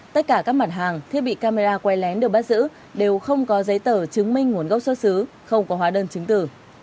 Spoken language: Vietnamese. tất cả các mặt hàng thiết bị camera quay lén được bắt giữ đều không có giấy tờ chứng minh nguồn gốc xuất xứ không có hóa đơn chứng tử